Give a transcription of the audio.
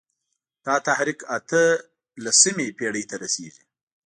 دا تحریک اته لسمې پېړۍ ته رسېږي.